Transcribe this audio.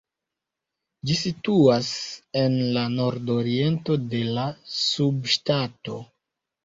Ĝi situas en la nordoriento de la subŝtato.